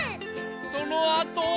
そのあとは。